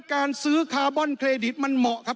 การซื้อคาร์บอนเครดิตมันเหมาะครับ